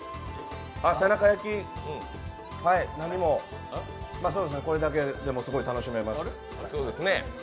背中焼き、何も、これだけですごい楽しめます。